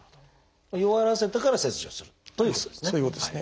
弱らせてから切除するということですね。